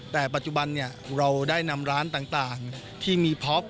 แต่ปัจจุบันเราได้นำร้านต่างที่มีพ็อป